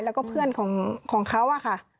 แล้วก็เพื่อนของเขาอะค่ะ